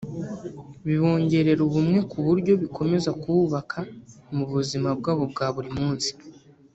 bibongerera ubumwe ku buryo bikomeza kububaka mu buzima bwabo bwa buri munsi